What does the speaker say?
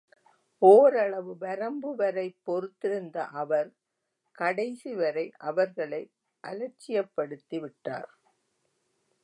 ஓரளவு வரம்பு வரைப் பொறுத்திருந்த அவர், கடைசிவரை அவர்களை அலட்சியப்படுத்தி விட்டார்.